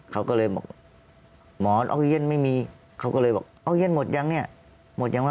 เขาก็เลยบอกหมอนออกเย็นไม่มีเขาก็เลยบอกออกเย็นหมดยังเนี่ยหมดยังวะ